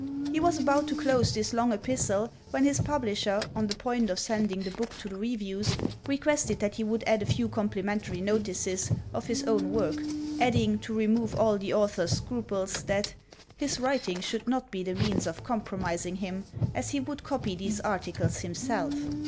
He was about to close this long epistle, when his publisher, on the point of sending the book to the reviews, requested that he would add a few complimentary notices of his own work, adding, to remove all the author's scruples, that "his writing should not be the means of compromising him, as he would copy these articles himself."